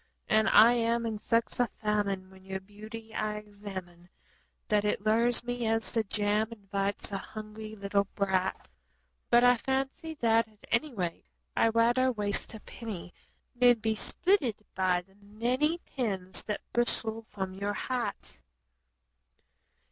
And I am in such a famine when your beauty I examine That it lures me as the jam invites a hungry little brat; But I fancy that, at any rate, I'd rather waste a penny Then be spitted by the many pins that bristle from your hat.